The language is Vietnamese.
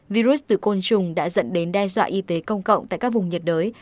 virus từ côn trùng đã dẫn đến đe dọa y tế công cộng tại các vùng nhiệt đới